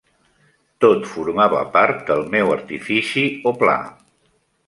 Tot formava part del meu artifici o pla.